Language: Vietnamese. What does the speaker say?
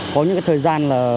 có những thời gian